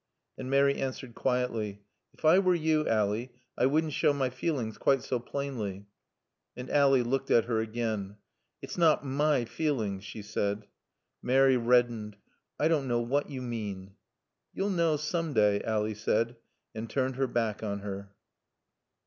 And Mary answered quietly. "If I were you, Ally, I wouldn't show my feelings quite so plainly." And Ally looked at her again. "It's not my feelings " she said. Mary reddened. "I don't know what you mean." "You'll know, some day," Ally said and turned her back on her.